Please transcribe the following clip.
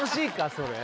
それ。